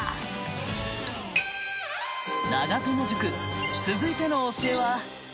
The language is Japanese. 長友塾続いての教えは。